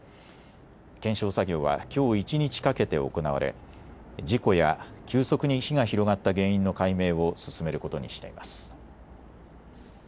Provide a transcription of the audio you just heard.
検証作業はきょう一日かけて行われ事故や急速に火が広がった原因の解明を進めることにしています。